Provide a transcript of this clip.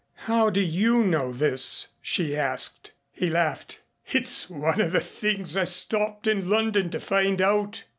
"How do you know this?" she asked. He laughed. "It's one of the things I stopped in London to find out."